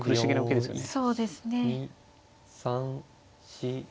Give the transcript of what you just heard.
そうですね。